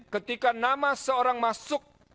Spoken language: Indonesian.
ketika nama seorang masuk